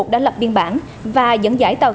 đã lập biên bản và dẫn dãi tàu